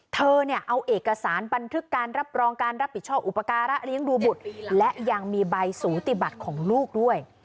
เธอเนี่ยเอาเอกสารบันทึกการรับรองการรับผิดชอบอุปการะเลี้ยงดูบุตรและยังมีใบสูติบัติของลูกด้วย